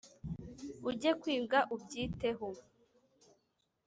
ujye kwiga ubyiteho